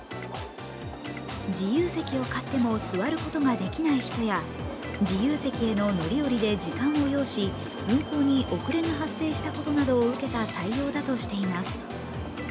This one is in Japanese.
自由席を買っても座ることができない人や、自由席への乗り降りで時間を要し運行に遅れが発生したことなどを受けた対応だとしています。